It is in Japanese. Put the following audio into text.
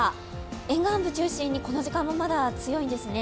沿岸部中心にこの時間もまだ強いんですね。